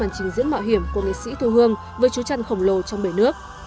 là màn trình diễn mạo hiểm của nghệ sĩ thu hương với chú trăn khổng lồ trong bể nước